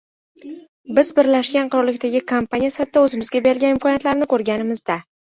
Biz Birlashgan Qirollikdagi kompaniya sifatida oʻzimizga berilgan imkoniyatlarni koʻrganimizda